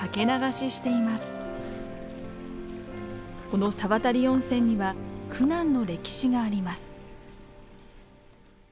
この沢渡温泉には苦難の歴史があります。